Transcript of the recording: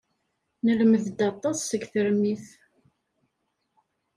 Nlemmed-d aṭas seg termit.